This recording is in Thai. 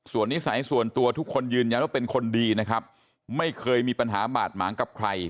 ส่วนนิสัยส่วนตัวทุกคนยืนยันว่าเป็นคนดีนะครับไม่เคยมีปัญหาบาดหมางกับใคร